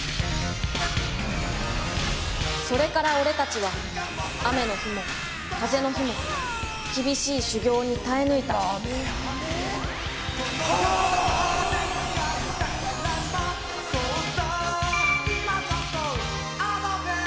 それから俺たちは雨の日も風の日も厳しい修業に耐え抜いた波っ！